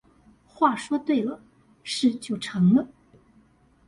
話說對了，事就成了